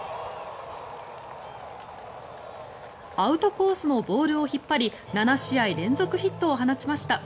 アウトコースのボールを引っ張り７試合連続ヒットを放ちました。